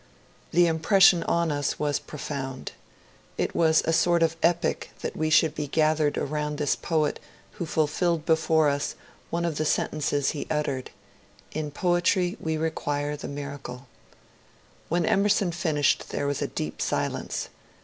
The impression on us was profound. It was a sort of epic that we should be gathered around this poet who fulfilled before us one of the sentences he uttered, " In poetry we require the miracle," When Emer son finished there was deep silence.